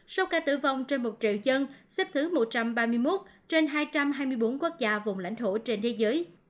số ca tử vong trên một triệu dân xếp thứ một trăm ba mươi một trên hai trăm hai mươi bốn quốc gia vùng lãnh thổ trên thế giới